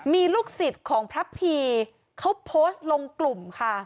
มีลูกศิษย์ของพระพีเขาโพสต์ลงกลุ่มค่ะ